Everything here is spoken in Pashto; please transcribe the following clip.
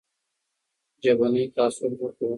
ژبنی تعصب مه کوئ.